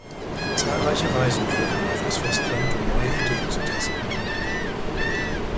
Zahlreiche Reisen führten ihn auf das Festland, um neue Ideen zu testen.